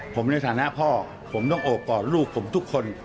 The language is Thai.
ผมในฐานะพ่อผมต้องโอบกอดลูกผมทุกคน